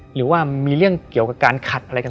หรือว่ามีเรื่องเกี่ยวกับการขัดอะไรกันสักอย่างหรือเปล่า